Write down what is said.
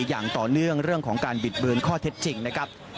อย่างต่อเนื่องเรื่องของการบิดเบือนข้อเท็จจริงนะครับ